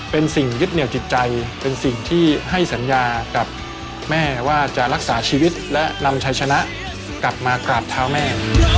เป็นสิ่งยึดเหนียวจิตใจเป็นสิ่งที่ให้สัญญากับแม่ว่าจะรักษาชีวิตและนำชัยชนะกลับมากราบเท้าแม่